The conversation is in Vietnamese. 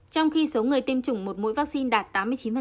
trong khi số người tiêm chủng một mũi vaccine đạt tám mươi chín